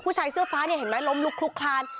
ผู้ชายเสื้อฟ้าเนี่ยเห็นไหมล้มลุกลุกคลาน